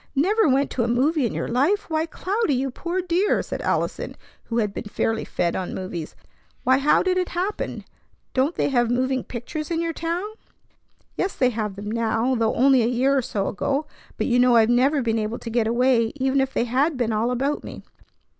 "Never went to a movie in your life! Why, Cloudy, you poor dear!" said Allison, who had been fairly fed on movies. "Why, how did it happen? Don't they have moving pictures in your town?" "Yes, they have them now, though only a year or so ago. But you know I've never been able to get away, even if they had been all about me.